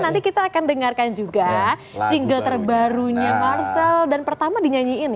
nanti kita akan dengarkan juga single terbarunya marcel dan pertama dinyanyiin